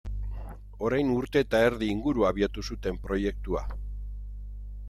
Orain urte eta erdi inguru abiatu zuten proiektua.